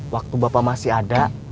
waktu bapak masih ada